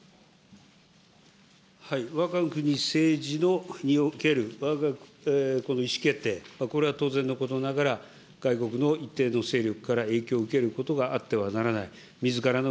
はい、わが国政治におけるこの意思決定、これは当然のことながら、外国の一定の勢力から影響を受けることがあってはならない、みずからの